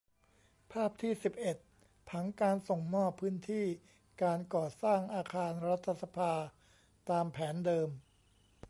ภาพที่ สิบเอ็ด ผังการส่งมอบพื้นที่การก่อสร้างอาคารรัฐสภาตามแผนเดิม